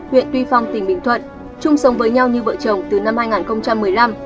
huyện tuy phong tỉnh bình thuận chung sống với nhau như vợ chồng từ năm hai nghìn một mươi năm